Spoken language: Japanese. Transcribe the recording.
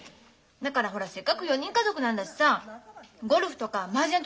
だからほらせっかく４人家族なんだしさあゴルフとかマージャンとかやろうよ。